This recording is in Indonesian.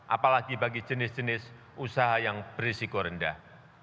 apalagi bagi jenis jenis usaha yang berisiko rendah